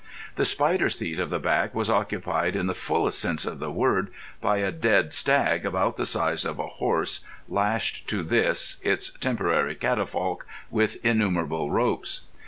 The spider seat at the back was occupied, in the fullest sense of the word, by a dead stag about the size of a horse, lashed to this, its temporary catafalque, with innumerable ropes.